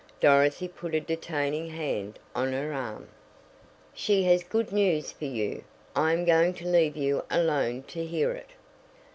Dorothy put a detaining hand on her arm. "She has good news for you. I am going to leave you alone to hear it."